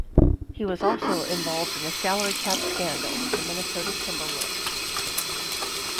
He was also involved in a salary cap scandal with the Minnesota Timberwolves.